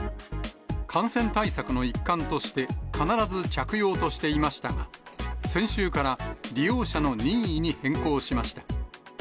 感染対策の一環として、必ず着用としていましたが、先週から利用者の任意に変更しました。